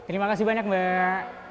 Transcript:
terima kasih banyak mbak